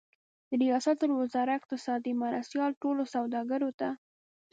د ریاست الوزار اقتصادي مرستیال ټولو سوداګرو ته